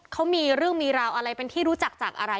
เขามีเรื่องมีราวอะไรเป็นที่รู้จักจากอะไร